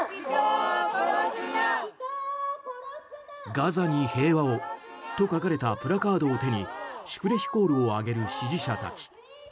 ガザに平和と書かれたプラカードを手にシュプレヒコールを上げる支持者たち。